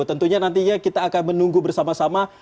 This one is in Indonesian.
tentunya nantinya kita akan menunggu bersama sama